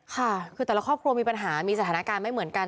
ค่ะคือแต่ละครอบครัวมีปัญหามีสถานการณ์ไม่เหมือนกัน